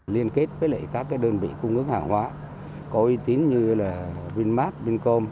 liên kết với các đơn vị cung ứng hàng hóa có uy tín như là vinmart vincom